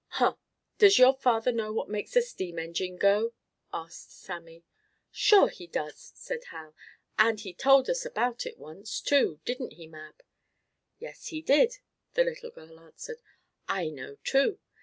"Huh! Does your father know what makes a steam engine go?" asked Sammie. "Sure he does!" said Hal. "And he told us about it once, too; didn't he, Mab?" "Yes, he did," the little girl answered. "I know, too.